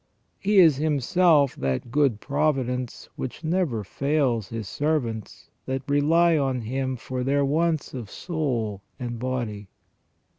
He is Himself that good providence which never fails His servants that rely on Him for their wants of soul and body.